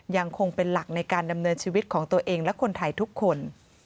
ยังคงเป็นหลักในการดำเนินชีวิตของตัวเองและคนไทยทุกคน